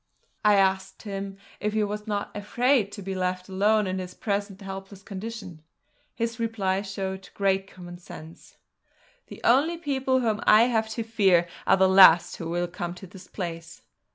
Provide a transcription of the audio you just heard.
I asked him if he was not afraid to be left alone in his present helpless condition: His reply showed great common sense: "The only people whom I have to fear are the last who will come to this place!"